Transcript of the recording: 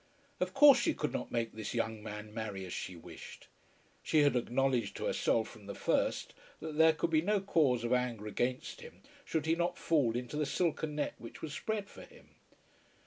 Of course she could not make this young man marry as she wished. She had acknowledged to herself from the first that there could be no cause of anger against him should he not fall into the silken net which was spread for him.